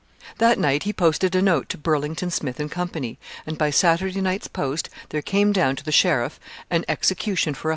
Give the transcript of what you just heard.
That night he posted a note to Burlington, Smith, and Co., and by Saturday night's post there came down to the sheriff an execution for 123_l.